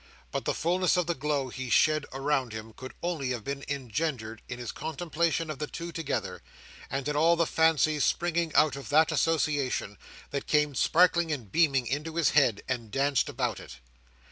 But the fulness of the glow he shed around him could only have been engendered in his contemplation of the two together, and in all the fancies springing out of that association, that came sparkling and beaming into his head, and danced about it.